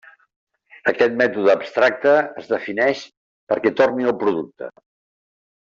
Aquest mètode abstracte es defineix perquè torni el producte.